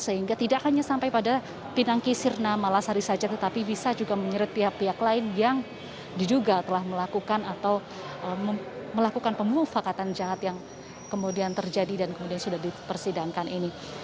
sehingga tidak hanya sampai pada pinangki sirna malasari saja tetapi bisa juga menyeret pihak pihak lain yang diduga telah melakukan atau melakukan pemufakatan jahat yang kemudian terjadi dan kemudian sudah dipersidangkan ini